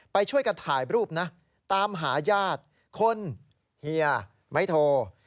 ไปช่วยกันถ่ายรูปนะตามหาญาติคนเฮียไม่โทร